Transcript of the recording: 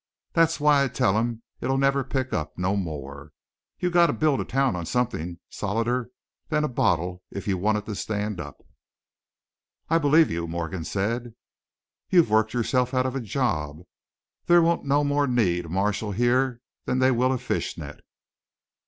That's why I tell 'em it never will pick up no more. You've got to build a town on something solider'n a bottle if you want it to stand up." "I believe you," Morgan said. "You've worked yourself out of a job. They won't no more need a marshal here'n they will a fish net."